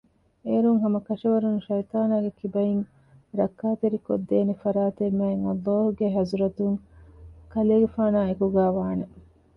އޭރުން ހަމަކަށަވަރުން ޝައިޠާނާގެ ކިބައިން ރައްކާތެރިކޮށްދޭނެ ފަރާތެއް މާތްﷲގެ ޙަޟްރަތުން ކަލޭގެފާނާއި އެކުގައިވާނެ